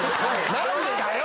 何でだよ